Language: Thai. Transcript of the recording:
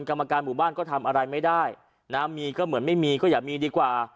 กรรมการหมู่บ้านก็ทำอะไรไม่ได้นะมีก็เหมือนไม่มีก็อย่ามีดีกว่า